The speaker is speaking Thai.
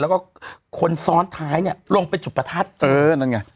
แล้วก็คนซ้อนท้ายเนี่ยลงไปจุดประทัดเออนั่นไง